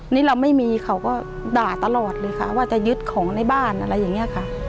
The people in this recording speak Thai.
นี่เราไม่มีเขาก็ด่าตลอดเลยค่ะว่าจะยึดของในบ้านอะไรอย่างนี้ค่ะ